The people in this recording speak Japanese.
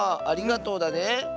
ありがとうだね。